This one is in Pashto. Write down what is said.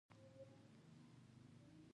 مرسته او همکاري انسانیت ژوندی ساتي.